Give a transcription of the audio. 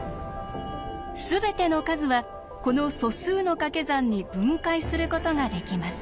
全ての数はこの素数のかけ算に分解することができます。